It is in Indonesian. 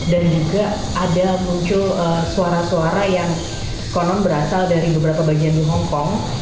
dan juga ada muncul suara suara yang konon berasal dari beberapa bagian di hong kong